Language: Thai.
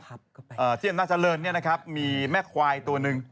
ที่อันนี้น่าจะเริ่มมีแม่ควายตัวนึง